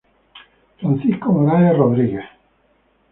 Francisco Morales Rodríguez.